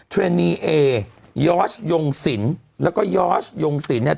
เทรนีเอยอร์ชยงศิลป์แล้วก็ยอร์ชยงศิลป์เนี่ย